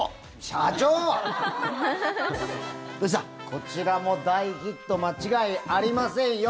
こちらも大ヒット間違いありませんよ。